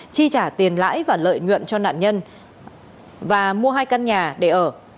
chi trả tiền lãi và lợi nhuận cho nạn nhân và mua hai căn nhà để ở